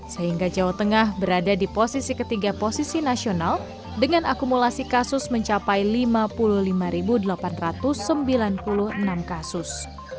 sehingga jawa tengah berada di posisi ketiga posisi nasional dengan akumulasi kasus mencapai lima puluh lima delapan ratus sembilan puluh enam kasus